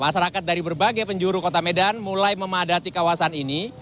masyarakat dari berbagai penjuru kota medan mulai memadati kawasan ini